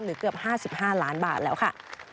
เกือบ๕๕ล้านบาทแล้วค่ะ